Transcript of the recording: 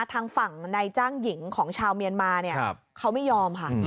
ทางฝั่งนายจ้างหญิงของชาวเมียนมาเนี่ยเขาไม่ยอมค่ะ